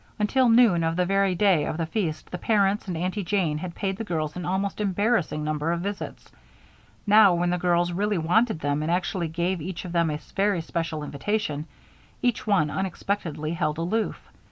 Until noon of the very day of the feast the parents and Aunty Jane had paid the girls an almost embarrassing number of visits. Now, when the girls really wanted them and actually gave each of them a very special invitation, each one unexpectedly held aloof.